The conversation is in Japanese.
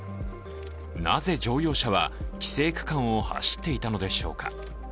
なぜ乗用車は規制区間を走っていたのでしょうか。